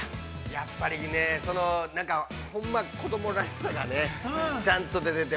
◆やっぱりね、ほんま子供らしさがちゃんと出てて。